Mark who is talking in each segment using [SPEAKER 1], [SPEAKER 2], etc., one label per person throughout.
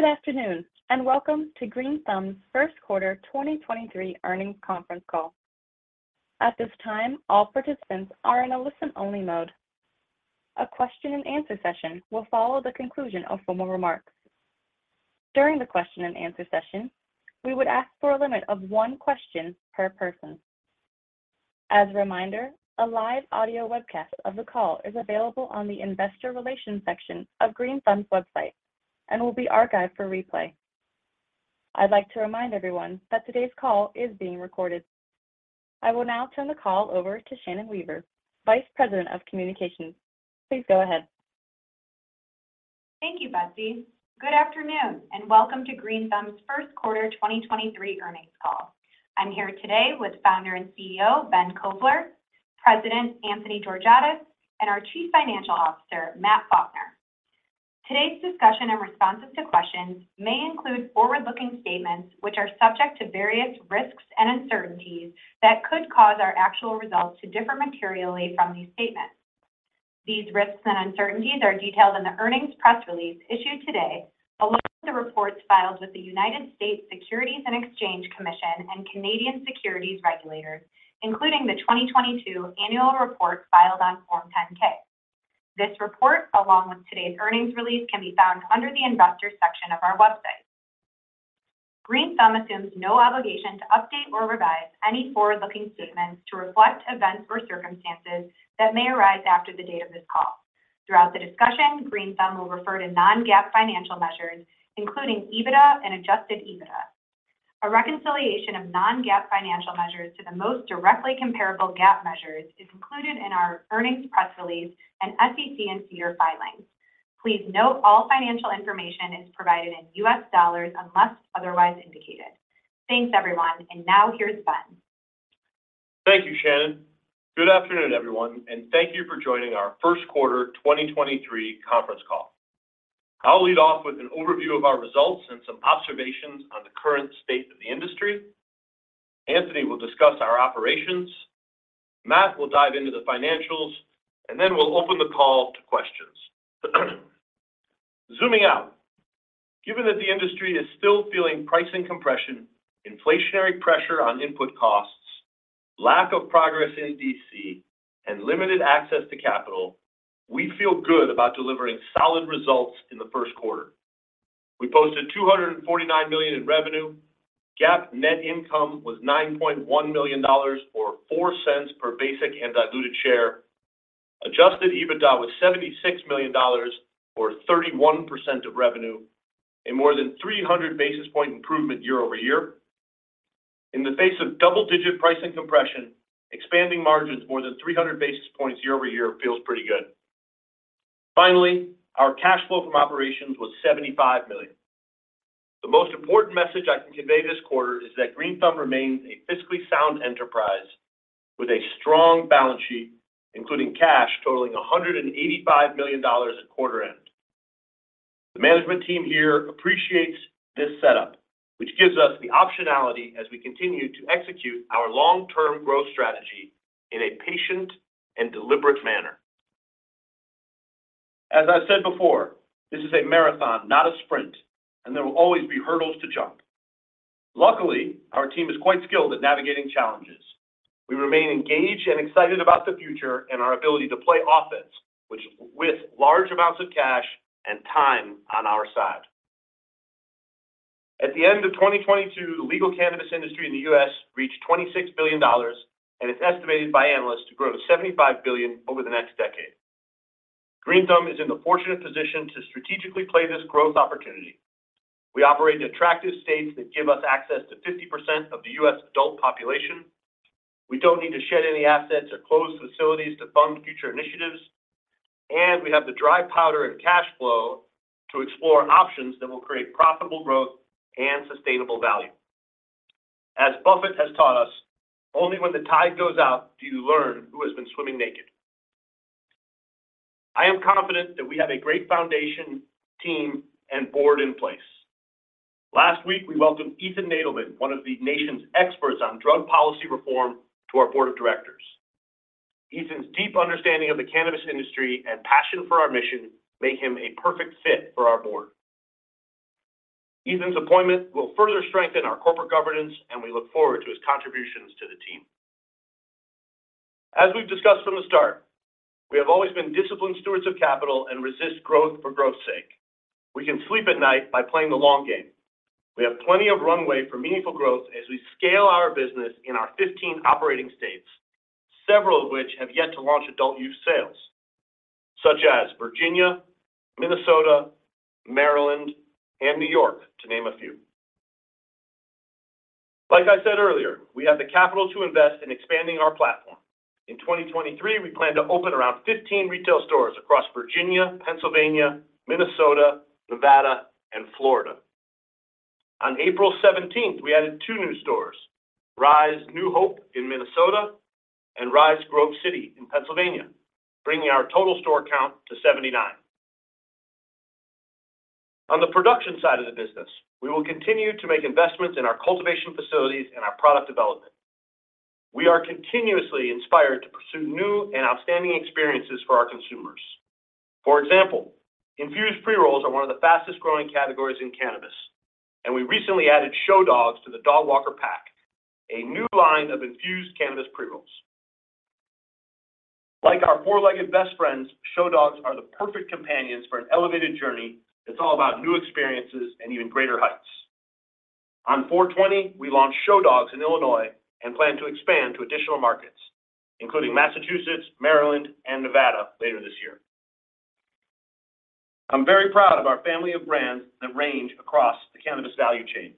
[SPEAKER 1] Good afternoon. Welcome to Green Thumb's first quarter 2023 earnings conference call. At this time, all participants are in a listen-only mode. A question and answer session will follow the conclusion of formal remarks. During the question and answer session, we would ask for a limit of one question per person. As a reminder, a live audio webcast of the call is available on the investor relations section of Green Thumb's website and will be archived for replay. I'd like to remind everyone that today's call is being recorded. I will now turn the call over to Shannon Weaver, Vice President of Communications. Please go ahead.
[SPEAKER 2] Thank you, Betty. Good afternoon, and welcome to Green Thumb's first-quarter 2023 earnings call. I'm here today with Founder and CEO, Ben Kovler, President Anthony Georgiadis, and our Chief Financial Officer, Matt Faulkner. Today's discussion and responses to questions may include forward-looking statements which are subject to various risks and uncertainties that could cause our actual results to differ materially from these statements. These risks and uncertainties are detailed in the earnings press release issued today, along with the reports filed with the United States Securities and Exchange Commission and Canadian Securities regulators, including the 2022 annual report filed on Form 10-K. This report, along with today's earnings release, can be found under the Investors section of our website. Green Thumb assumes no obligation to update or revise any forward-looking statements to reflect events or circumstances that may arise after the date of this call. Throughout the discussion, Green Thumb will refer to non-GAAP financial measures, including EBITDA and adjusted EBITDA. A reconciliation of non-GAAP financial measures to the most directly comparable GAAP measures is included in our earnings press release and SEC and SEDAR filings. Please note all financial information is provided in US dollars unless otherwise indicated. Thanks, everyone, and now here's Ben.
[SPEAKER 3] Thank you, Shannon. Good afternoon, everyone, and thank you for joining our first-quarter 2023 conference call. I'll lead off with an overview of our results and some observations on the current state of the industry. Anthony will discuss our operations. Matt will dive into the financials. Then we'll open the call to questions. Zooming out, given that the industry is still feeling pricing compression, inflationary pressure on input costs, lack of progress in D.C., and limited access to capital, we feel good about delivering solid results in the first quarter. We posted $249 million in revenue. GAAP net income was $9.1 million, or $0.04 per basic and diluted share. Adjusted EBITDA was $76 million, or 31% of revenue, a more than 300 basis point improvement year-over-year. In the face of double-digit pricing compression, expanding margins more than 300 basis points year-over-year feels pretty good. Finally, our cash flow from operations was $75 million. The most important message I can convey this quarter is that Green Thumb remains a fiscally sound enterprise with a strong balance sheet, including cash totaling $185 million at quarter end. The management team here appreciates this setup, which gives us the optionality as we continue to execute our long-term growth strategy in a patient and deliberate manner. As I said before, this is a marathon, not a sprint, and there will always be hurdles to jump. Luckily, our team is quite skilled at navigating challenges. We remain engaged and excited about the future and our ability to play offense, which with large amounts of cash and time on our side. At the end of 2022, the legal cannabis industry in the U.S. reached $26 billion and is estimated by analysts to grow to $75 billion over the next decade. Green Thumb is in the fortunate position to strategically play this growth opportunity. We operate in attractive states that give us access to 50% of the U.S. adult population. We don't need to shed any assets or close facilities to fund future initiatives. We have the dry powder and cash flow to explore options that will create profitable growth and sustainable value. As Buffett has taught us, only when the tide goes out do you learn who has been swimming naked. I am confident that we have a great foundation, team, and board in place. Last week, we welcomed Ethan Nadelmann, one of the nation's experts on drug policy reform, to our board of directors. Ethan's deep understanding of the cannabis industry and passion for our mission make him a perfect fit for our board. Ethan's appointment will further strengthen our corporate governance. We look forward to his contributions to the team. As we've discussed from the start, we have always been disciplined stewards of capital and resist growth for growth's sake. We can sleep at night by playing the long game. We have plenty of runway for meaningful growth as we scale our business in our 15 operating states, several of which have yet to launch adult use sales, such as Virginia, Minnesota, Maryland, and New York, to name a few. Like I said earlier, we have the capital to invest in expanding our platform. In 2023, we plan to open around 15 retail stores across Virginia, Pennsylvania, Minnesota, Nevada, and Florida. On April 17th, we added two new stores, RISE New Hope in Minnesota and RISE Grove City in Pennsylvania, bringing our total store count to 79. On the production side of the business, we will continue to make investments in our cultivation facilities and our product development. We are continuously inspired to pursue new and outstanding experiences for our consumers. For example, infused pre-rolls are one of the fastest-growing categories in cannabis, and we recently added Show Dogs to the Dogwalkers pack, a new line of infused cannabis pre-rolls. Like our four-legged best friends, Show Dogs are the perfect companions for an elevated journey that's all about new experiences and even greater heights. On 4/20, we launched Show Dogs in Illinois and plan to expand to additional markets, including Massachusetts, Maryland, and Nevada later this year. I'm very proud of our family of brands that range across the cannabis value chain.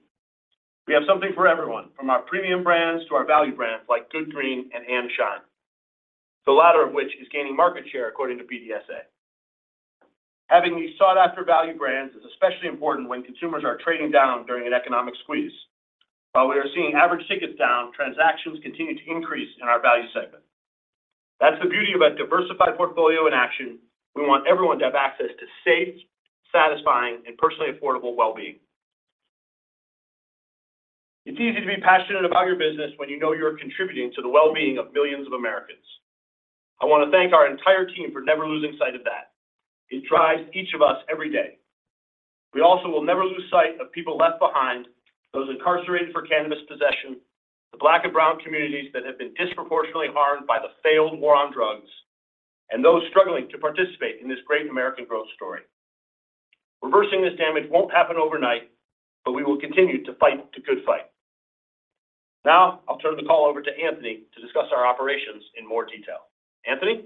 [SPEAKER 3] We have something for everyone, from our premium brands to our value brands like Good Green and &Shine, the latter of which is gaining market share according to BDSA. Having these sought-after value brands is especially important when consumers are trading down during an economic squeeze. While we are seeing average tickets down, transactions continue to increase in our value segment. That's the beauty of a diversified portfolio in action. We want everyone to have access to safe, satisfying, and personally affordable well-being. It's easy to be passionate about your business when you know you're contributing to the well-being of millions of Americans. I want to thank our entire team for never losing sight of that. It drives each of us every day. We also will never lose sight of people left behind, those incarcerated for cannabis possession, the Black and brown communities that have been disproportionately harmed by the failed war on drugs, and those struggling to participate in this great American growth story. Reversing this damage won't happen overnight, we will continue to fight the good fight. I'll turn the call over to Anthony to discuss our operations in more detail. Anthony?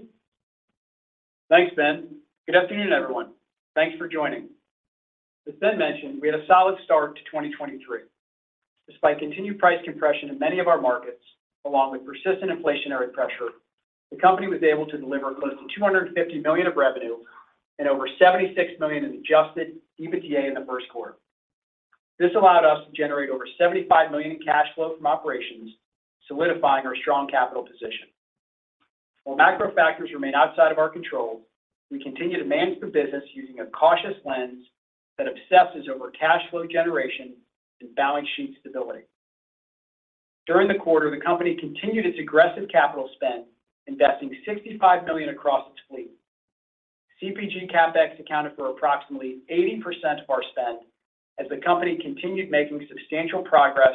[SPEAKER 4] Thanks, Ben. Good afternoon, everyone. Thanks for joining. As Ben mentioned, we had a solid start to 2023. Despite continued price compression in many of our markets, along with persistent inflationary pressure, the company was able to deliver close to $250 million of revenue and over $76 million in adjusted EBITDA in the first quarter. This allowed us to generate over $75 million in cash flow from operations, solidifying our strong capital position. While macro factors remain outside of our control, we continue to manage the business using a cautious lens that obsesses over cash flow generation and balance sheet stability. During the quarter, the company continued its aggressive capital spend, investing $65 million across its fleet. CPG CapEx accounted for approximately 80% of our spend as the company continued making substantial progress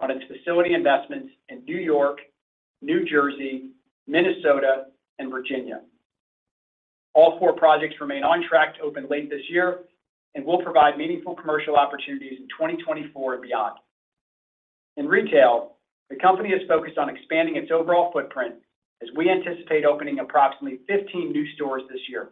[SPEAKER 4] on its facility investments in New York, New Jersey, Minnesota, and Virginia. All four projects remain on track to open late this year and will provide meaningful commercial opportunities in 2024 and beyond. In retail, the company is focused on expanding its overall footprint as we anticipate opening approximately 15 new stores this year.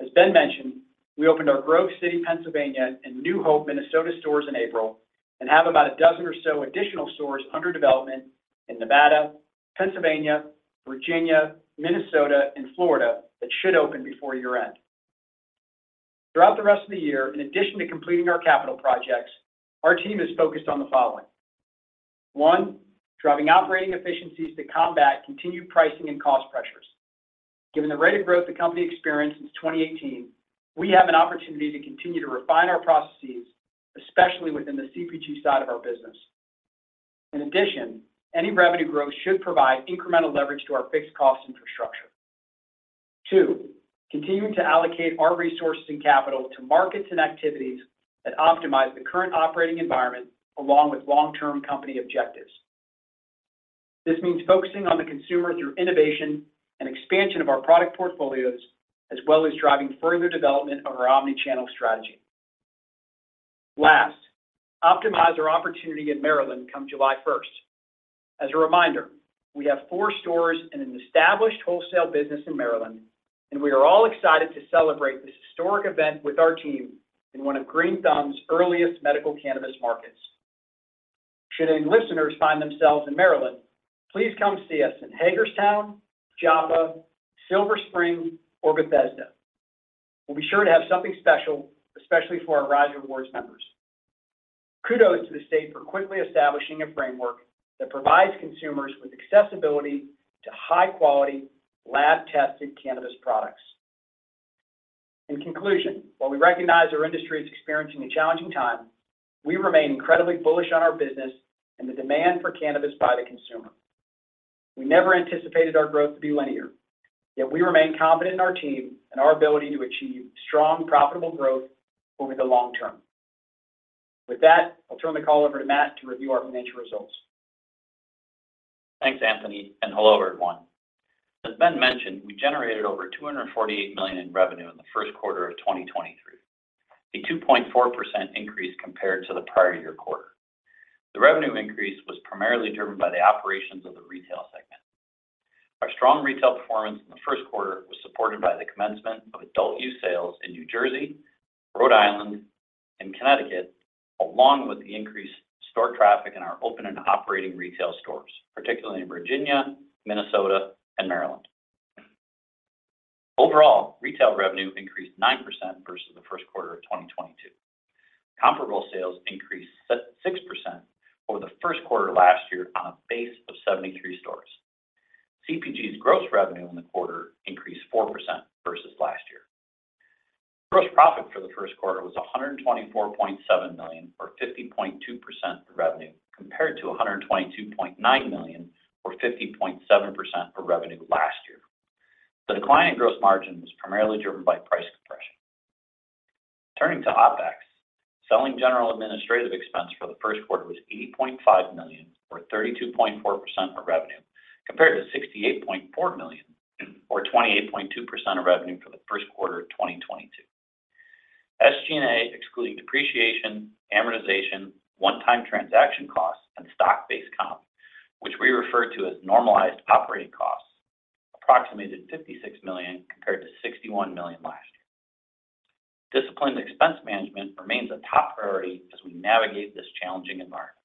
[SPEAKER 4] As Ben mentioned, we opened our Grove City, Pennsylvania, and New Hope, Minnesota, stores in April and have about a dozen or so additional stores under development in Nevada, Pennsylvania, Virginia, Minnesota, and Florida that should open before year-end. Throughout the rest of the year, in addition to completing our capital projects, our team is focused on the following. 1. Driving operating efficiencies to combat continued pricing and cost pressures. Given the rate of growth the company experienced since 2018, we have an opportunity to continue to refine our processes, especially within the CPG side of our business. In addition, any revenue growth should provide incremental leverage to our fixed cost infrastructure. Two, continuing to allocate our resources and capital to markets and activities that optimize the current operating environment along with long-term company objectives. This means focusing on the consumer through innovation and expansion of our product portfolios, as well as driving further development of our omni-channel strategy. Last, optimize our opportunity in Maryland come July first. As a reminder, we have four stores and an established wholesale business in Maryland, and we are all excited to celebrate this historic event with our team in one of Green Thumb's earliest medical cannabis markets. Should any listeners find themselves in Maryland, please come see us in Hagerstown, Joppa, Silver Spring, or Bethesda. We'll be sure to have something special, especially for our RISE Rewards members. Kudos to the state for quickly establishing a framework that provides consumers with accessibility to high-quality, lab-tested cannabis products. In conclusion, while we recognize our industry is experiencing a challenging time, we remain incredibly bullish on our business and the demand for cannabis by the consumer. We never anticipated our growth to be linear, yet we remain confident in our team and our ability to achieve strong, profitable growth over the long term. With that, I'll turn the call over to Matt to review our financial results.
[SPEAKER 5] Thanks, Anthony, hello, everyone. As Ben mentioned, we generated over $248 million in revenue in the first quarter of 2023, a 2.4% increase compared to the prior year quarter. The revenue increase was primarily driven by the operations of the retail segment. Our strong retail performance in the first quarter was supported by the commencement of adult use sales in New Jersey, Rhode Island, and Connecticut, along with the increased store traffic in our open and operating retail stores, particularly in Virginia, Minnesota, and Maryland. Overall, retail revenue increased 9% versus the first quarter of 2022. Comparable sales increased 6% over the first quarter last year on a base of 73 stores. CPG's gross revenue in the quarter increased 4% versus last year. Gross profit for the first quarter was $124.7 million, or 50.2% of revenue, compared to $122.9 million, or 50.7% of revenue last year. The decline in gross margin was primarily driven by price compression. Turning to OpEx, Selling, General and Administrative expense for the first quarter was $80.5 million, or 32.4% of revenue, compared to $68.4 million, or 28.2% of revenue, for the first quarter of 2022. SG&A, excluding depreciation, amortization, one-time transaction costs, and stock-based comp, which we refer to as normalized operating costs, approximated $56 million compared to $61 million last year. Disciplined expense management remains a top priority as we navigate this challenging environment.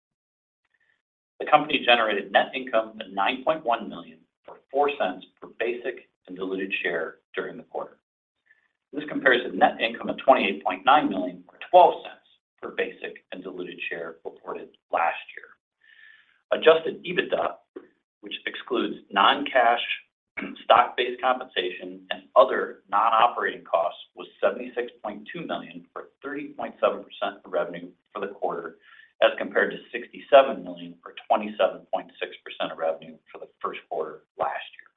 [SPEAKER 5] The company generated net income of $9.1 million, or $0.04 per basic and diluted share during the quarter. This compares the net income of $28.9 million, or $0.12 per basic and diluted share, reported last year. Adjusted EBITDA, which excludes non-cash stock-based compensation and other non-operating costs, was $76.2 million, or 30.7% of revenue for the quarter, as compared to $67 million, or 27.6% of revenue for the first quarter last year.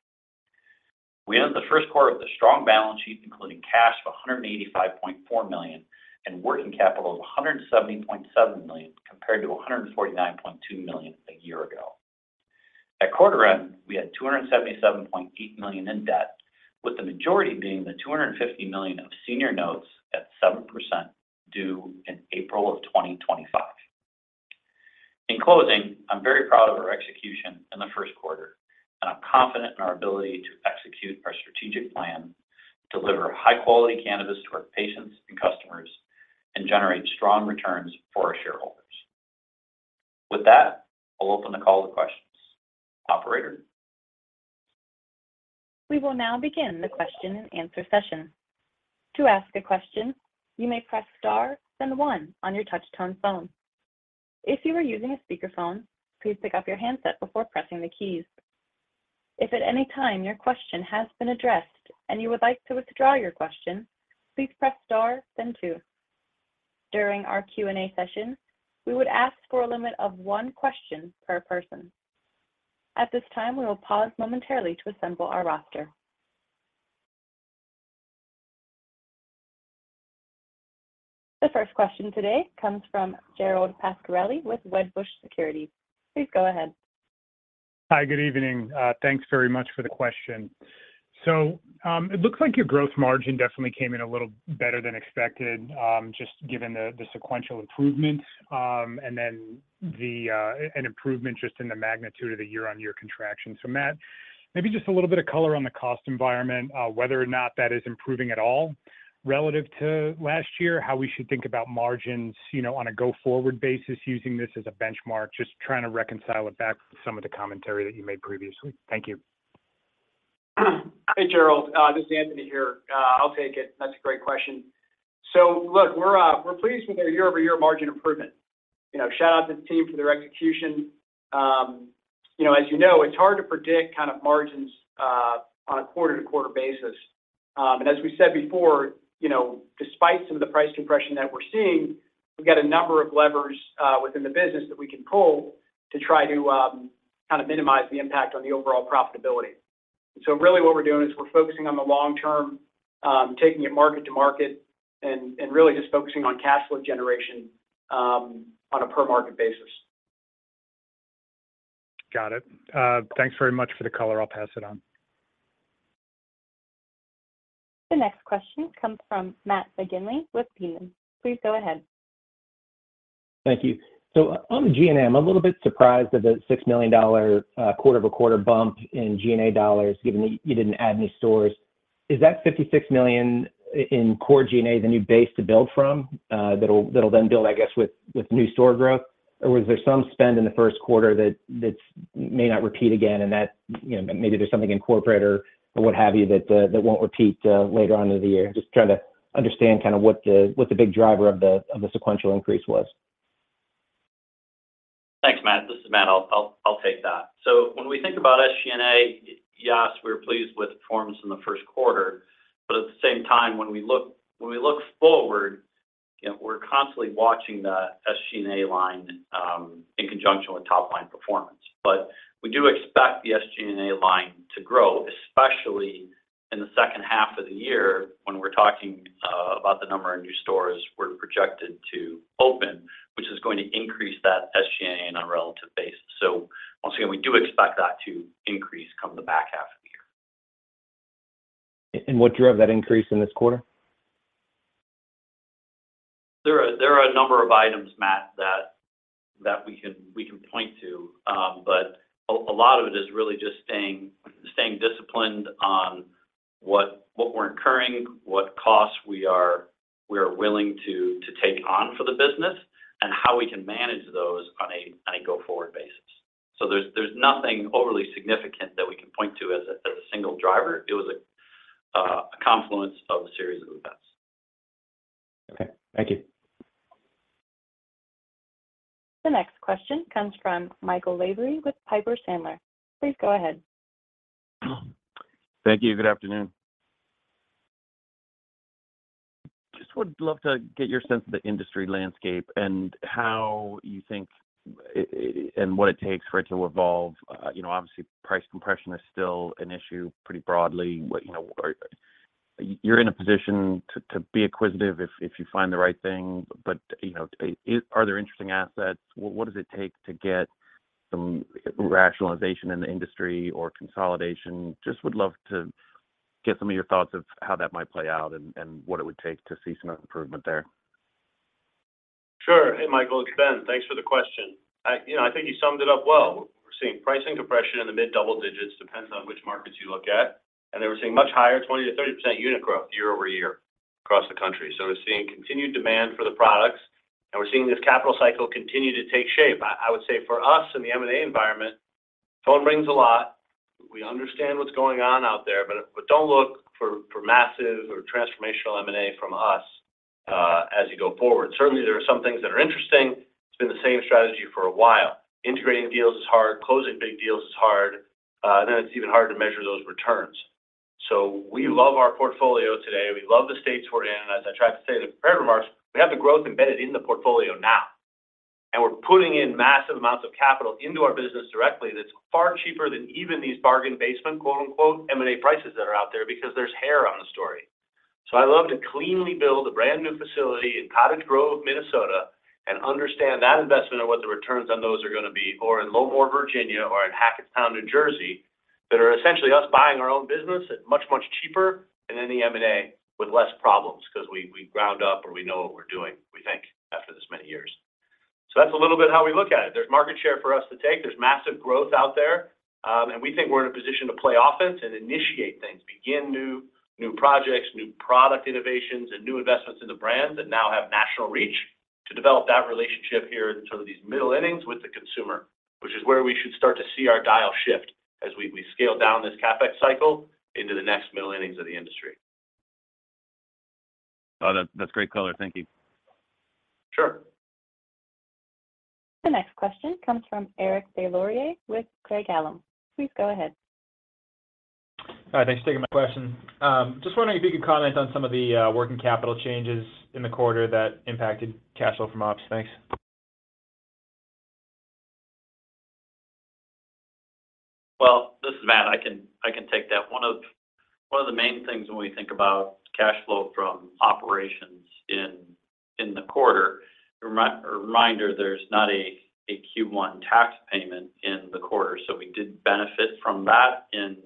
[SPEAKER 5] We ended the first quarter with a strong balance sheet, including cash of $185.4 million and working capital of $170.7 million, compared to $149.2 million a year ago. At quarter end, we had $277.8 million in debt, with the majority being the $250 million of senior notes at 7% due in April of 2025. In closing, I'm very proud of our execution in the first quarter, I'm confident in our ability to execute our strategic plan, deliver high-quality cannabis to our patients and customers, and generate strong returns for our shareholders. With that, I'll open the call to questions. Operator?
[SPEAKER 1] We will now begin the question-and-answer session. To ask a question, you may press star, then 1 on your touch tone phone. If you are using a speakerphone, please pick up your handset before pressing the keys. If at any time your question has been addressed and you would like to withdraw your question, please press star, then 2. During our Q&A session, we would ask for a limit of one question per person. At this time, we will pause momentarily to assemble our roster. The first question today comes from Gerald Pascarelli with Wedbush Securities. Please go ahead.
[SPEAKER 6] Hi. Good evening. Thanks very much for the question. It looks like your growth margin definitely came in a little better than expected, just given the sequential improvement, and then an improvement just in the magnitude of the year-on-year contraction. Matt, maybe just a little bit of color on the cost environment, whether or not that is improving at all relative to last year, how we should think about margins, you know, on a go-forward basis using this as a benchmark. Just trying to reconcile it back with some of the commentary that you made previously. Thank you.
[SPEAKER 4] Hey, Gerald, this is Anthony here. I'll take it. That's a great question. Look, we're pleased with our year-over-year margin improvement. You know, shout out to the team for their execution. You know, as you know, it's hard to predict kind of margins on a quarter-to-quarter basis. As we said before, you know, despite some of the price compression that we're seeing, we've got a number of levers within the business that we can pull to try to kind of minimize the impact on the overall profitability. Really what we're doing is we're focusing on the long term, taking it market to market and really just focusing on cash flow generation on a per market basis.
[SPEAKER 6] Got it. Thanks very much for the color. I'll pass it on.
[SPEAKER 1] The next question comes from Matt McGinley with Needham. Please go ahead.
[SPEAKER 7] Thank you. On the G&A, I'm a little bit surprised at the $6 million quarter-over-quarter bump in G&A dollars, given that you didn't add any stores. Is that $56 million in core G&A the new base to build from that'll then build, I guess, with new store growth? Or was there some spend in the first quarter that may not repeat again and that, you know, maybe there's something in corporate or what have you that won't repeat later on in the year? Just trying to understand kind of what the big driver of the sequential increase was.
[SPEAKER 5] Thanks, Matt. This is Matt. I'll take that. When we think about SG&A, yes, we're pleased with performance in the first quarter. At the same time, when we look forward, you know, we're constantly watching the SG&A line in conjunction with top-line performance. We do expect the SG&A line to grow, especially in the second half of the year when we're talking about the number of new stores we're projected to open, which is going to increase that SG&A on a relative basis. Once again, we do expect that to increase come the back half of the year.
[SPEAKER 7] What drove that increase in this quarter?
[SPEAKER 5] There are a number of items, Matt, that we can point to. A lot of it is really just staying disciplined on what we're incurring, what costs we are willing to take on for the business, and how we can manage those on a go-forward basis. There's nothing overly significant that we can point to as a single driver. It was a confluence of a series of events.
[SPEAKER 7] Okay. Thank you.
[SPEAKER 1] The next question comes from Michael Lavery with Piper Sandler. Please go ahead.
[SPEAKER 8] Thank you. Good afternoon. Just would love to get your sense of the industry landscape and how you think and what it takes for it to evolve. you know, obviously price compression is still an issue pretty broadly. you know, Are you're in a position to be acquisitive if you find the right thing, but, you know, are there interesting assets? What does it take to get some rationalization in the industry or consolidation? Just would love to get some of your thoughts of how that might play out and what it would take to see some improvement there.
[SPEAKER 3] Sure. Hey, Michael, it's Ben. Thanks for the question. You know, I think you summed it up well. We're seeing pricing compression in the mid double digits, depends on which markets you look at. We're seeing much higher, 20%-30% unit growth year-over-year across the country. We're seeing continued demand for the products, and we're seeing this capital cycle continue to take shape. I would say for us in the M&A environment, phone rings a lot. We understand what's going on out there, don't look for massive or transformational M&A from us as you go forward. Certainly, there are some things that are interesting. It's been the same strategy for a while. Integrating deals is hard. Closing big deals is hard. Then it's even harder to measure those returns. We love our portfolio today. We love the states we're in. As I tried to say in the prepared remarks, we have the growth embedded in the portfolio now. We're putting in massive amounts of capital into our business directly that's far cheaper than even these bargain basement, quote-unquote, "M&A prices" that are out there because there's hair on the story. I love to cleanly build a brand-new facility in Cottage Grove, Minnesota and understand that investment and what the returns on those are gonna be, or in Low Moor, Virginia, or in Hackettstown, New Jersey, that are essentially us buying our own business at much, much cheaper than any M&A with less problems because we ground up or we know what we're doing, we think, after this many years. That's a little bit how we look at it. There's market share for us to take. There's massive growth out there, we think we're in a position to play offense and initiate things, begin new projects, new product innovations, and new investments in the brand that now have national reach to develop that relationship here in some of these middle innings with the consumer, which is where we should start to see our dial shift as we scale down this CapEx cycle into the next middle innings of the industry.
[SPEAKER 8] Oh, that's great color. Thank you.
[SPEAKER 3] Sure.
[SPEAKER 1] The next question comes from Eric Deslauriers with Craig-Hallum. Please go ahead.
[SPEAKER 9] All right. Thanks for taking my question. Just wondering if you could comment on some of the working capital changes in the quarter that impacted cash flow from ops. Thanks.
[SPEAKER 5] Well, this is Matt. I can take that. One of the main things when we think about cash flow from operations in the quarter, reminder, there's not a Q1 tax payment in the quarter. We did benefit from that in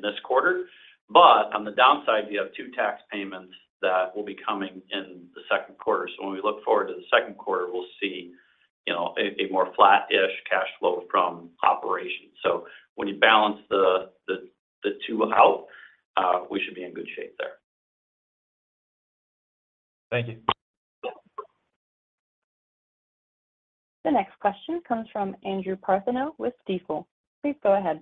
[SPEAKER 5] this quarter. On the downside, you have 2 tax payments that will be coming in the second quarter. When we look forward to the second quarter, we'll see, you know, a more flattish cash flow from operations. When you balance the 2 out, we should be in good shape there.
[SPEAKER 9] Thank you.
[SPEAKER 1] The next question comes from Andrew Partheniou with Stifel. Please go out.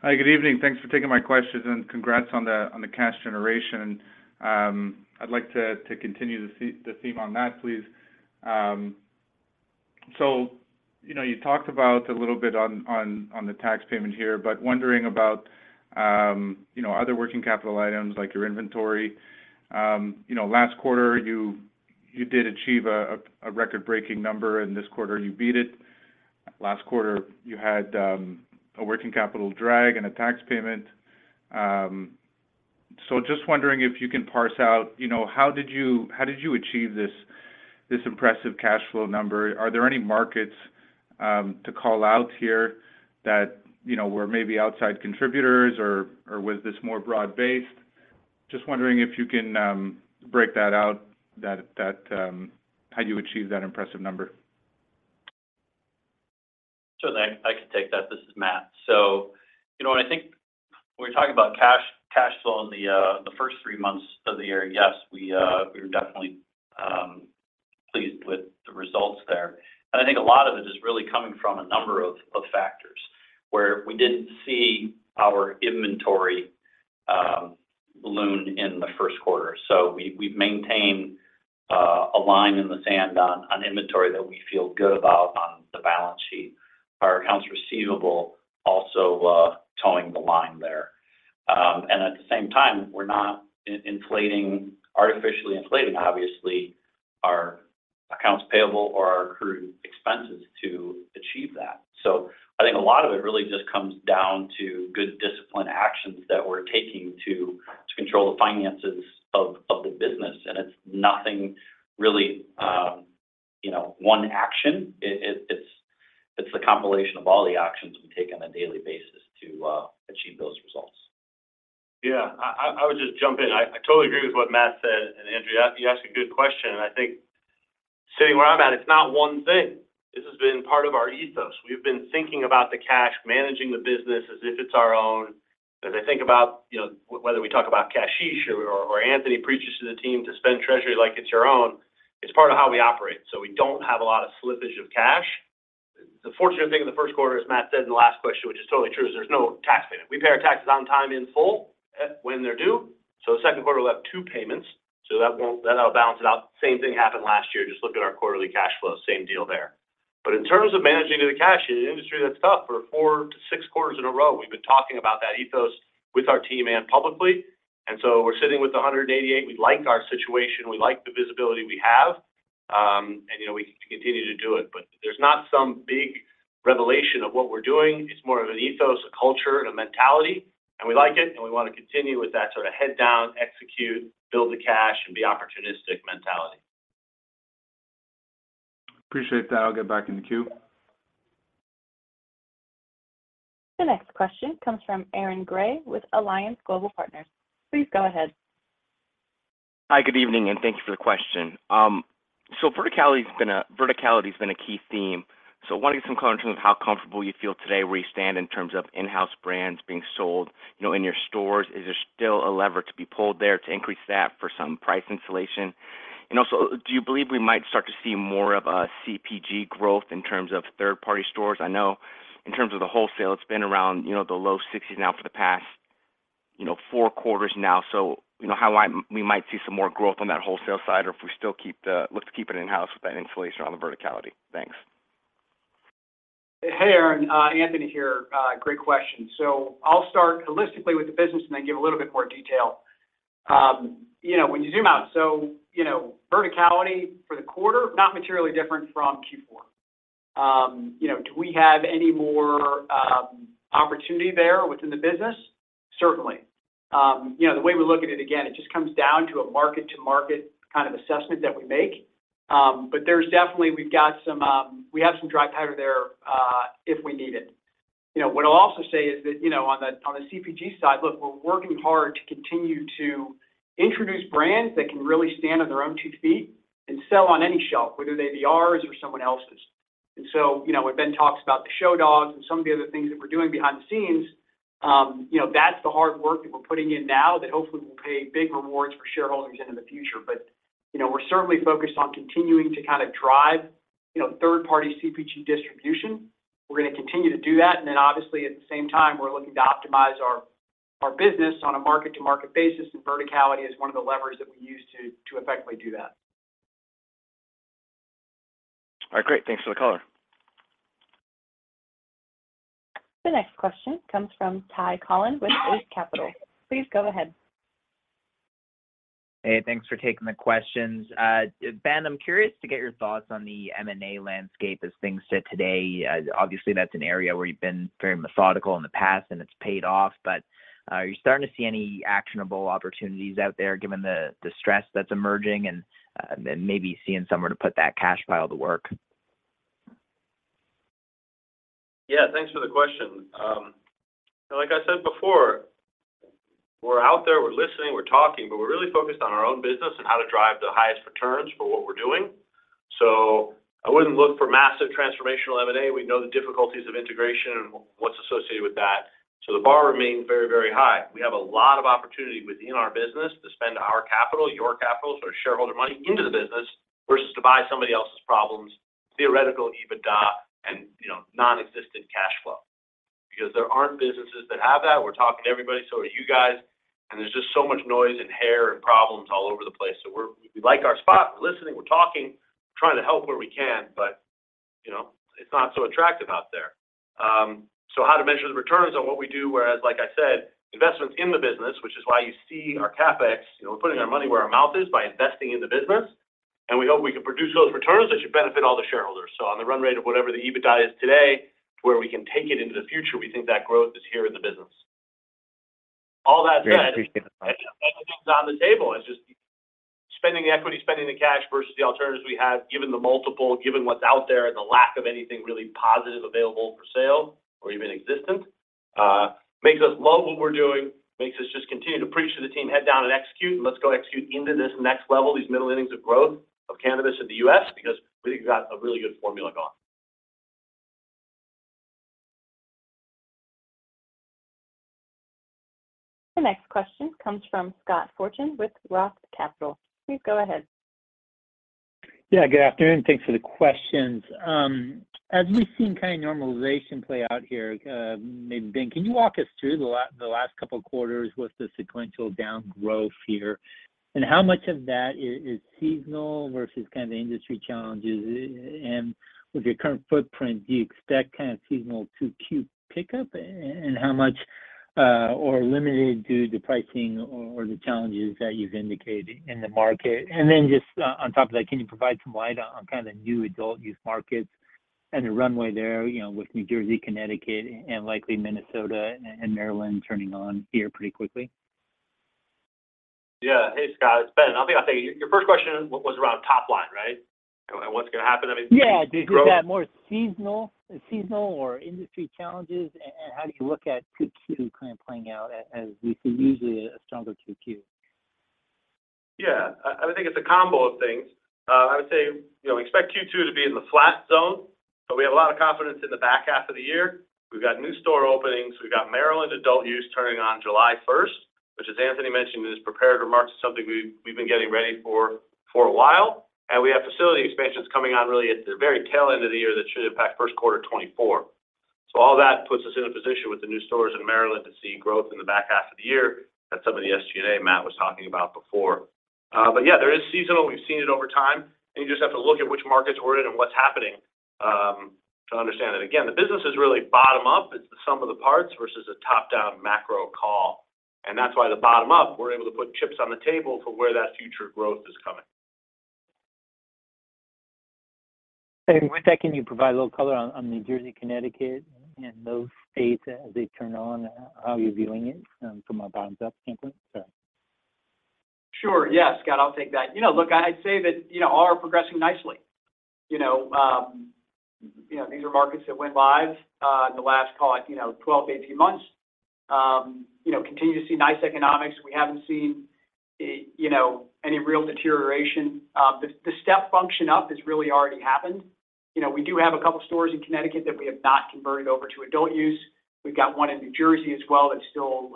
[SPEAKER 10] Hi. Good evening. Thanks for taking my questions, and congrats on the cash generation. I'd like to continue the theme on that, please. You know, you talked about a little bit on the tax payment here, but wondering about, you know, other working capital items like your inventory. You know, last quarter, you did achieve a record-breaking number, and this quarter you beat it. Last quarter, you had a working capital drag and a tax payment. Just wondering if you can parse out, you know, how did you achieve this impressive cash flow number? Are there any markets to call out here that, you know, were maybe outside contributors, or was this more broad-based? Just wondering if you can break that out, that, how you achieved that impressive number?
[SPEAKER 5] Sure thing. I can take that. This is Matt. you know, when we're talking about cash flow in the first 3 months of the year, yes, we are definitely pleased with the results there. I think a lot of it is really coming from a number of factors, where we didn't see our inventory balloon in the first quarter. we've maintained a line in the sand on inventory that we feel good about on the balance sheet. Our accounts receivable also toeing the line there. At the same time, we're not artificially inflating, obviously our accounts payable or our accrued expenses to achieve that. I think a lot of it really just comes down to good discipline actions that we're taking to control the finances of the business. It's nothing really, you know, one action. It's the compilation of all the actions we take on a daily basis to achieve those results.
[SPEAKER 3] Yeah. I would just jump in. I totally agree with what Matt said. Andrew, you asked a good question. I think sitting where I'm at, it's not one thing. This has been part of our ethos. We've been thinking about the cash, managing the business as if it's our own. As I think about, you know, whether we talk about Kashish or Anthony preaches to the team to spend treasury like it's your own, it's part of how we operate. We don't have a lot of slippage of cash. The fortunate thing in the first quarter, as Matt said in the last question, which is totally true, is there's no tax payment. We pay our taxes on time in full, when they're due. The second quarter, we'll have two payments, so that'll balance it out. Same thing happened last year. Just look at our quarterly cash flow, same deal there. In terms of managing the cash in an industry that's tough for 4 to 6 quarters in a row, we've been talking about that ethos with our team and publicly. We're sitting with $188. We like our situation. We like the visibility we have, and you know, we can continue to do it. There's not some big revelation of what we're doing. It's more of an ethos, a culture, and a mentality, and we like it, and we wanna continue with that sort of head down, execute, build the cash, and be opportunistic mentality.
[SPEAKER 1] Appreciate that. I'll get back in the queue. The next question comes from Aaron Gray with Alliance Global Partners. Please go ahead.
[SPEAKER 11] Hi, good evening, and thank you for the question. verticality's been a key theme. I wanted some color in terms of how comfortable you feel today, where you stand in terms of in-house brands being sold, you know, in your stores. Is there still a lever to be pulled there to increase that for some price insulation? Also, do you believe we might start to see more of a CPG growth in terms of third-party stores? I know in terms of the wholesale, it's been around, you know, the low 60s now for the past, you know, 4 quarters now. You know, how we might see some more growth on that wholesale side, or if we still keep the look to keep it in-house with that insulation on the verticality. Thanks.
[SPEAKER 4] Hey, Aaron, Anthony here. Great question. I'll start holistically with the business and then give a little bit more detail. You know, when you zoom out, you know, verticality for the quarter, not materially different from Q4. You know, do we have any more opportunity there within the business? Certainly. You know, the way we look at it, again, it just comes down to a market-to-market kind of assessment that we make. There's definitely we've got some, we have some dry powder there, if we need it. You know, what I'll also say is that, you know, on the, on the CPG side, look, we're working hard to continue to introduce brands that can really stand on their own two feet and sell on any shelf, whether they be ours or someone else's. You know, when Ben talks about the Show Dogs and some of the other things that we're doing behind the scenes, you know, that's the hard work that we're putting in now that hopefully will pay big rewards for shareholders into the future. You know, we're certainly focused on continuing to kind of drive, you know, third-party CPG distribution. We're gonna continue to do that. Obviously at the same time, we're looking to optimize our business on a market-to-market basis, and verticality is one of the levers that we use to effectively do that.
[SPEAKER 11] All right, great. Thanks for the color.
[SPEAKER 1] The next question comes from Ty Collin with Ace Capital. Please go ahead.
[SPEAKER 12] Hey, thanks for taking the questions. Ben, I'm curious to get your thoughts on the M&A landscape as things sit today. Obviously, that's an area where you've been very methodical in the past, and it's paid off. Are you starting to see any actionable opportunities out there given the stress that's emerging and maybe seeing somewhere to put that cash pile to work?
[SPEAKER 3] Yeah, thanks for the question. Like I said before, we're out there, we're listening, we're talking, but we're really focused on our own business and how to drive the highest returns for what we're doing. I wouldn't look for massive transformational M&A. We know the difficulties of integration and what's associated with that. The bar remains very, very high. We have a lot of opportunity within our business to spend our capital, your capital, sort of shareholder money into the business versus to buy somebody else's problems, theoretical EBITDA and, you know, non-existent cash flow because there aren't businesses that have that. We're talking to everybody, so are you guys, and there's just so much noise and hair and problems all over the place. We like our spot. We're listening, we're talking, trying to help where we can, but, you know, it's not so attractive out there. How to measure the returns on what we do, whereas, like I said, investments in the business, which is why you see our CapEx. You know, we're putting our money where our mouth is by investing in the business, and we hope we can produce those returns that should benefit all the shareholders. On the run rate of whatever the EBITDA is today, where we can take it into the future, we think that growth is here in the business. All that said.
[SPEAKER 12] Great, appreciate the time....
[SPEAKER 3] everything's on the table. It's just spending the equity, spending the cash versus the alternatives we have, given the multiple, given what's out there and the lack of anything really positive available for sale or even existent, makes us love what we're doing, makes us just continue to preach to the team, head down and execute, and let's go execute into this next level, these middle innings of growth of cannabis in the U.S. because we think we've got a really good formula going.
[SPEAKER 1] The next question comes from Scott Fortune with Roth Capital. Please go ahead.
[SPEAKER 13] Good afternoon. Thanks for the questions. As we've seen kind of normalization play out here, maybe Ben, can you walk us through the last couple of quarters with the sequential down growth here? How much of that is seasonal versus kind of the industry challenges? With your current footprint, do you expect kind of seasonal 2Q pickup and how much, or limited due to pricing or the challenges that you've indicated in the market? Just on top of that, can you provide some light on kind of new adult use markets and the runway there, you know, with New Jersey, Connecticut, and likely Minnesota and Maryland turning on here pretty quickly?
[SPEAKER 3] Yeah. Hey, Scott, it's Ben. I think I'll take it. Your first question was around top line, right? What's gonna happen, I mean...
[SPEAKER 13] Yeah. Is that more seasonal or industry challenges? How do you look at Q2 kind of playing out as we see usually a stronger Q2?
[SPEAKER 3] Yeah. I would think it's a combo of things. I would say, you know, expect Q2 to be in the flat zone. We have a lot of confidence in the back half of the year. We've got new store openings. We've got Maryland adult use turning on July 1st. Which, as Anthony mentioned in his prepared remarks, is something we've been getting ready for a while. We have facility expansions coming on really at the very tail end of the year that should impact first quarter 2024. All that puts us in a position with the new stores in Maryland to see growth in the back half of the year. That's some of the SG&A Matt was talking about before. Yeah, there is seasonal, we've seen it over time, and you just have to look at which markets we're in and what's happening to understand it. Again, the business is really bottom up. It's the sum of the parts versus a top-down macro call. That's why the bottom up, we're able to put chips on the table for where that future growth is coming.
[SPEAKER 13] With that, can you provide a little color on New Jersey, Connecticut, and those states as they turn on, how you're viewing it from a bottoms up standpoint? Sorry.
[SPEAKER 4] Sure, yeah. Scott, I'll take that. You know, look, I'd say that, you know, all are progressing nicely. You know, these are markets that went live in the last, call it, you know, 12-18 months. You know, continue to see nice economics. We haven't seen a, you know, any real deterioration. The step function up has really already happened. You know, we do have a couple stores in Connecticut that we have not converted over to adult use. We've got one in New Jersey as well that's still,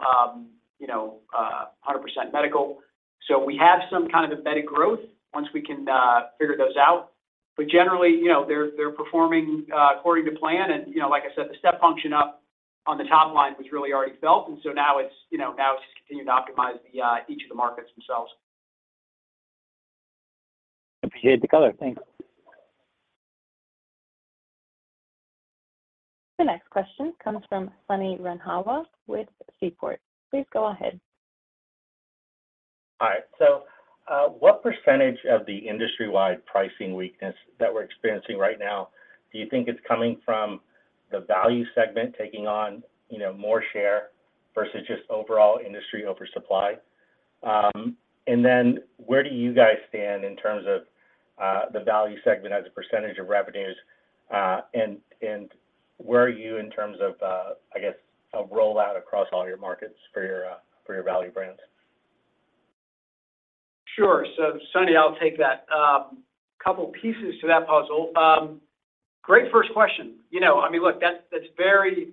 [SPEAKER 4] you know, 100% medical. We have some kind of embedded growth once we can figure those out. Generally, you know, they're performing according to plan and, you know, like I said, the step function up on the top line was really already felt, and so now it's, you know, just continuing to optimize the each of the markets themselves.
[SPEAKER 13] Appreciate the color. Thanks.
[SPEAKER 1] The next question comes from Sonny Randhawa with Seaport. Please go ahead.
[SPEAKER 14] All right. What % of the industry-wide pricing weakness that we're experiencing right now do you think is coming from the value segment taking on, you know, more share versus just overall industry oversupply? Where do you guys stand in terms of the value segment as a % of revenues? Where are you in terms of, I guess a rollout across all your markets for your value brands?
[SPEAKER 4] Sure. Sonny, I'll take that. Couple pieces to that puzzle. Great first question. You know, I mean, look, that's very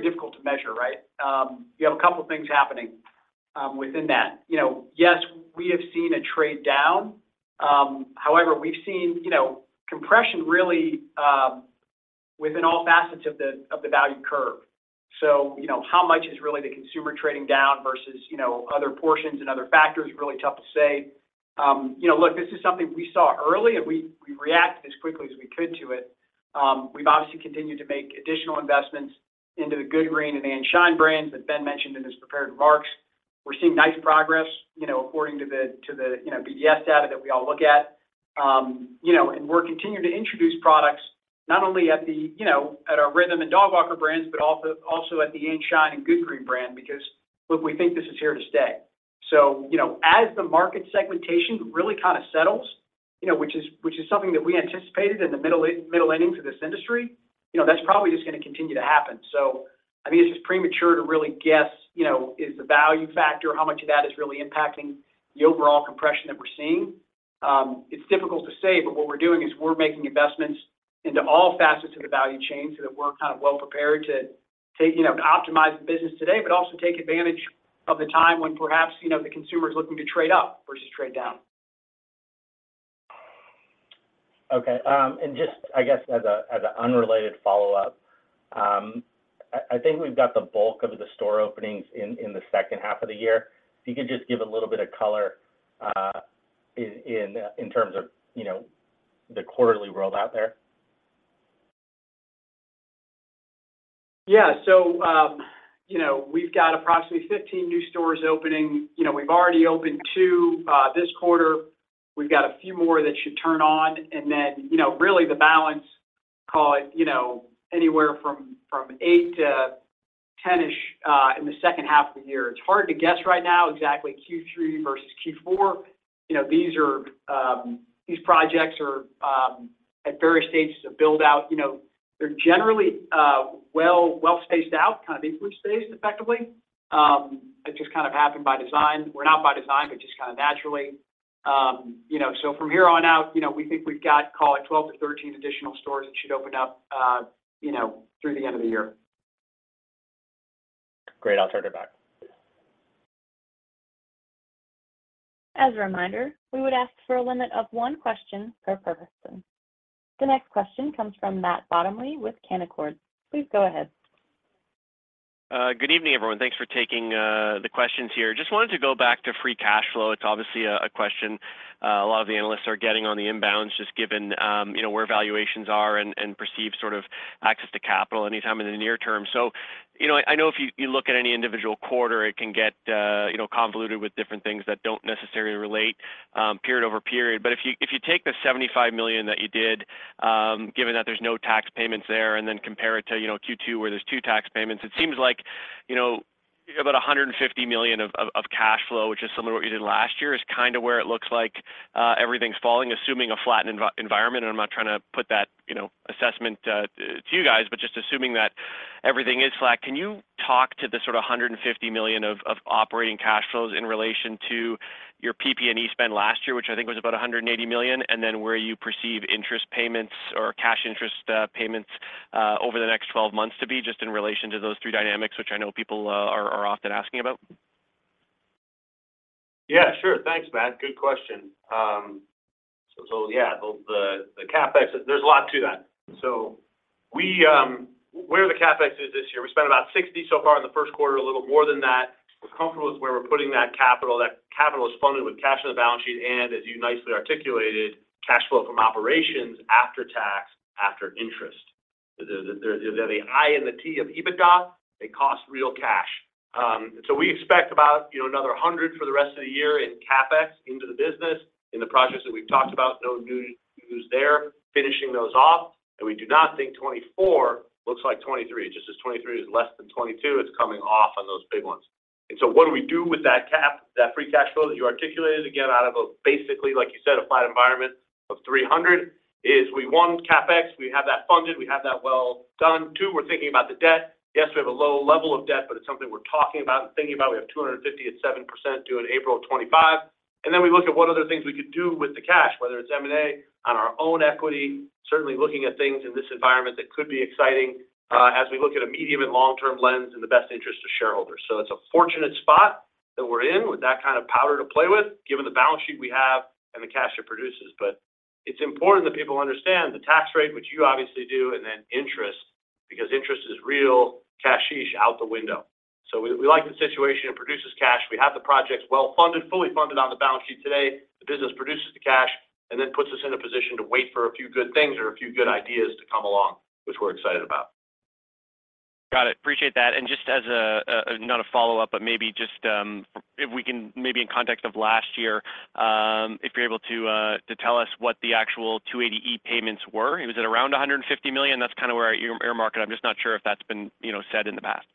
[SPEAKER 4] difficult to measure, right? You have a couple things happening within that. You know, yes, we have seen a trade down, however, we've seen, you know, compression really within all facets of the value curve. You know, how much is really the consumer trading down versus, you know, other portions and other factors, really tough to say. You know, look, this is something we saw early, we reacted as quickly as we could to it. We've obviously continued to make additional investments into the Good Green and &Shine brands that Ben mentioned in his prepared remarks. We're seeing nice progress, you know, according to the, to the, you know, BDS data that we all look at. you know, and we're continuing to introduce products not only at the, you know, at our RYTHM and Dogwalkers brands, but also at the &Shine and Good Green brand because, look, we think this is here to stay. You know, as the market segmentation really kind of settles, you know, which is, which is something that we anticipated in the middle innings of this industry, you know, that's probably just gonna continue to happen. I mean, it's just premature to really guess, you know, is the value factor, how much of that is really impacting the overall compression that we're seeing. It's difficult to say, but what we're doing is we're making investments into all facets of the value chain so that we're kind of well prepared to take, you know, to optimize the business today, but also take advantage of the time when perhaps, you know, the consumer's looking to trade up versus trade down.
[SPEAKER 14] Okay. Just I guess as a unrelated follow-up, I think we've got the bulk of the store openings in the second half of the year. If you could just give a little bit of color, in terms of, you know, the quarterly rollout there.
[SPEAKER 4] Yeah. You know, we've got approximately 15 new stores opening. You know, we've already opened 2 this quarter. We've got a few more that should turn on and then, you know, really the balance, call it, you know, anywhere from 8 to 10-ish in the second half of the year. It's hard to guess right now exactly Q3 versus Q4. You know, these are these projects are at various stages of build-out. You know, they're generally well spaced out, kind of influence spaced effectively. It just kind of happened by design. Well, not by design, but just kind of naturally. You know, from here on out, you know, we think we've got, call it 12 to 13 additional stores that should open up, you know, through the end of the year.
[SPEAKER 14] Great. I'll turn it back.
[SPEAKER 1] As a reminder, we would ask for a limit of one question per person. The next question comes from Matt Bottomley with Canaccord. Please go ahead.
[SPEAKER 15] Good evening, everyone. Thanks for taking the questions here. It's obviously a question, a lot of the analysts are getting on the inbounds just given, you know, where valuations are and perceived sort of access to capital anytime in the near term. You know, I know if you look at any individual quarter, it can get, you know, convoluted with different things that don't necessarily relate, period over period. If you take the $75 million that you did, given that there's no tax payments there, and then compare it to, you know, Q2, where there's 2 tax payments, it seems like, you know, about $150 million of cash flow, which is similar to what you did last year, is kind of where it looks like everything's falling, assuming a flat environment. I'm not trying to put that, you know, assessment to you guys, but just assuming that everything is flat. Can you talk to the sort of $150 million of operating cash flows in relation to your PP&E spend last year, which I think was about $180 million, and then where you perceive interest payments or cash interest payments over the next 12 months to be, just in relation to those three dynamics, which I know people are often asking about?
[SPEAKER 3] Yeah, sure. Thanks, Matt. Good question. Yeah, the CapEx, there's a lot to that. Where the CapEx is this year, we spent about $60 so far in the first quarter, a little more than that. We're comfortable with where we're putting that capital. That capital is funded with cash on the balance sheet, and as you nicely articulated, cash flow from operations after tax, after interest. The I and the T of EBITDA, they cost real cash. We expect about, you know, another $100 for the rest of the year in CapEx into the business in the projects that we've talked about. No new news there. Finishing those off. We do not think 2024 looks like 2023, just as 2023 is less than 2022. It's coming off on those big ones. What do we do with that free cash flow that you articulated, again, out of a basically, like you said, a flat environment of $300 is we want CapEx. We have that funded. We have that well done. Two, we're thinking about the debt. Yes, we have a low level of debt, but it's something we're talking about and thinking about. We have $250 at 7% due in April of 2025. We look at what other things we could do with the cash, whether it's M&A on our own equity. Certainly looking at things in this environment that could be exciting, as we look at a medium- and long-term lens in the best interest of shareholders. It's a fortunate spot that we're in with that kind of powder to play with, given the balance sheet we have and the cash it produces. It's important that people understand the tax rate, which you obviously do, and then interest, because interest is real cashish out the window. We like the situation. It produces cash. We have the projects well-funded, fully funded on the balance sheet today. The business produces the cash and then puts us in a position to wait for a few good things or a few good ideas to come along, which we're excited about.
[SPEAKER 15] Got it. Appreciate that. Just as a not a follow-up, but maybe just, if we can maybe in context of last year, if you're able to tell us what the actual 280E payments were? It was at around $150 million. That's kinda where our earmark is. I'm just not sure if that's been, you know, said in the past.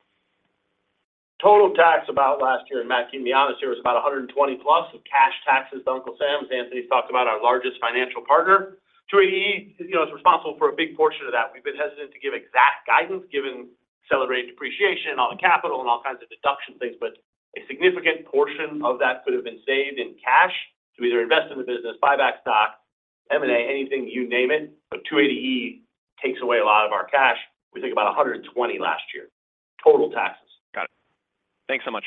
[SPEAKER 3] Total tax about last year, and Matt keep me honest here, was about $120+ of cash taxes to Uncle Sam. As Anthony talked about, our largest financial partner. 280E, you know, is responsible for a big portion of that. We've been hesitant to give exact guidance given celebrated depreciation on the capital and all kinds of deduction things, but a significant portion of that could have been saved in cash to either invest in the business, buy back stock, M&A, anything, you name it. 280E takes away a lot of our cash. We think about $120 last year. Total taxes.
[SPEAKER 15] Got it. Thanks so much.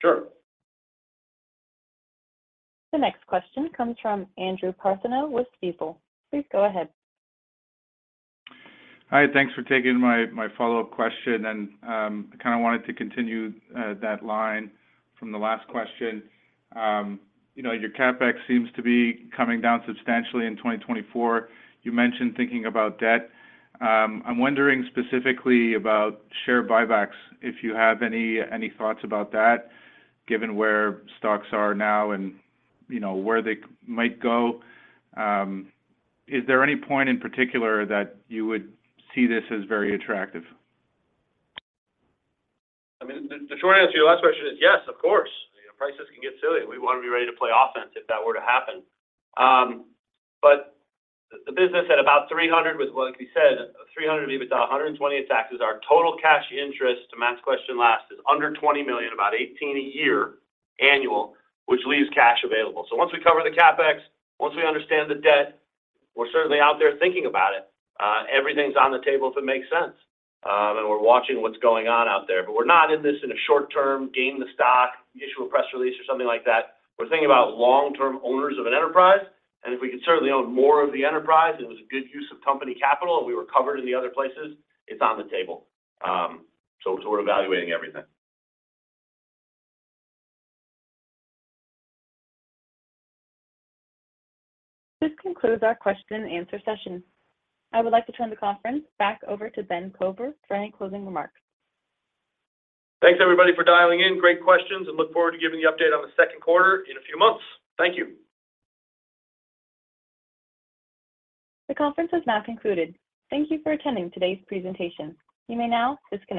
[SPEAKER 3] Sure.
[SPEAKER 1] The next question comes from Andrew Partheniou with Stifel. Please go ahead.
[SPEAKER 10] Hi. Thanks for taking my follow-up question. I kinda wanted to continue that line from the last question. You know, your CapEx seems to be coming down substantially in 2024. You mentioned thinking about debt. I'm wondering specifically about share buybacks, if you have any thoughts about that, given where stocks are now and you know, where they might go. Is there any point in particular that you would see this as very attractive?
[SPEAKER 3] I mean, the short answer to your last question is yes, of course. You know, prices can get silly. We wanna be ready to play offense if that were to happen. The business at about $300 million with, like we said, $300 million in EBITDA, $120 million in taxes. Our total cash interest, to Matt's question last, is under $20 million, about $18 million a year annual, which leaves cash available. Once we cover the CapEx, once we understand the debt, we're certainly out there thinking about it. Everything's on the table if it makes sense. We're watching what's going on out there. We're not in this in a short term, game the stock, issue a press release or something like that. We're thinking about long-term owners of an enterprise, and if we could certainly own more of the enterprise, and it was a good use of company capital, and we were covered in the other places, it's on the table. We're evaluating everything.
[SPEAKER 1] This concludes our question and answer session. I would like to turn the conference back over to Ben Kovler for any closing remarks.
[SPEAKER 3] Thanks everybody for dialing in. Great questions, and look forward to giving you update on the second quarter in a few months. Thank you.
[SPEAKER 1] The conference has now concluded. Thank you for attending today's presentation. You may now disconnect.